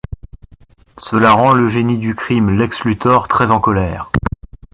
Cela rend le génie du crime Lex Luthor très en colère.